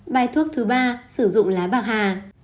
bài thuốc thứ ba sử dụng lá bạc hà